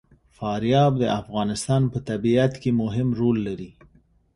فاریاب د افغانستان په طبیعت کې مهم رول لري.